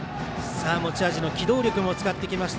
持ち味の機動力も使ってきました